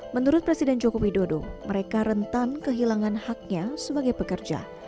menurut presiden joko widodo mereka rentan kehilangan haknya sebagai pekerja